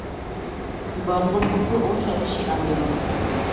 বঙ্গভঙ্গ ও স্বদেশী আন্দোলন